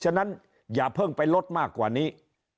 ฉะนั้นอย่าเพิ่งไปลดมากกว่านี้